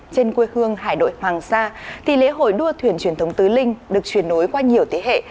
trên quê hương hải đội hoàng sa thì lễ hội đua thuyền truyền thống tứ linh được chuyển nối qua nhiều thế hệ